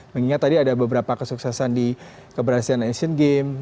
mengingat tadi ada beberapa kesuksesan di keberhasilan asian games